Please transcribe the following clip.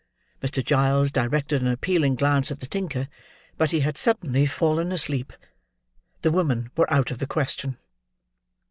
Mr. Giles directed an appealing glance at the tinker; but he had suddenly fallen asleep. The women were out of the question.